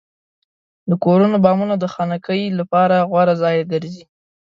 د کورونو بامونه د خنکۍ لپاره غوره ځای ګرځي.